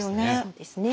そうですね。